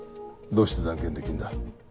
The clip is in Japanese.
どうして断言できるんだ